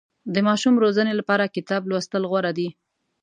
د ماشوم روزنې لپاره کتاب لوستل غوره دي.